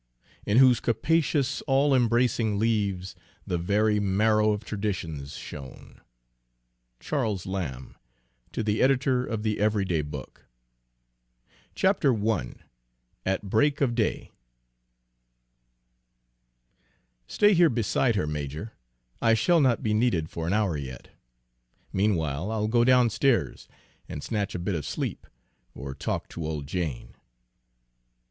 In whose capacious all embracing leaves The very marrow of tradition's shown. CHARLES LAMB To the Editor of the Every Day Book I AT BREAK OF DAY "Stay here beside her, major. I shall not he needed for an hour yet. Meanwhile I'll go downstairs and snatch a bit of sleep, or talk to old Jane."